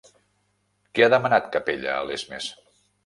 Què ha demanat Capella a Lesmes?